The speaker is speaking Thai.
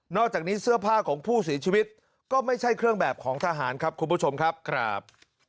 อกจากนี้เสื้อผ้าของผู้เสียชีวิตก็ไม่ใช่เครื่องแบบของทหารครับคุณผู้ชมครับ